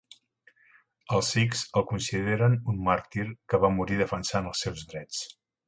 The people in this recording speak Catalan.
Els Sikhs el consideren un màrtir que va morir defensant els seus drets.